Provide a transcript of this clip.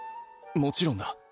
もちろんだ。